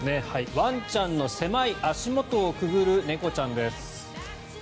ワンちゃんの狭い足元をくぐる猫ちゃんです。